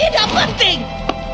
sisi penuh lagi